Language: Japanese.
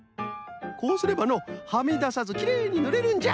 こうすればのはみださずきれいにぬれるんじゃ。